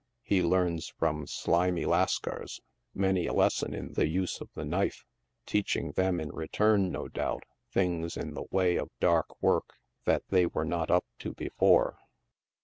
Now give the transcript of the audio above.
He learns from slimy Lascars many a lesson in the use of the knife, teaching them in return, no doubt, things in the way of dark work that they were not up to before.